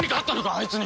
あいつに。